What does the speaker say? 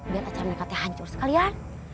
biar acara mereka tuh hancur sekalian